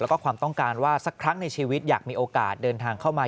แล้วก็ความต้องการว่าสักครั้งในชีวิตอยากมีโอกาสเดินทางเข้ามา